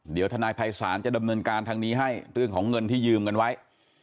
เดี๋ยวทนายภัยศาลจะดำเนินการทางนี้ให้เรื่องของเงินที่ยืมกันไว้